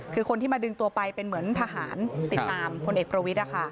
คือคนที่มาดึงตัวไปเป็นเหมือนทหารติดตามพลเอกประวิทย์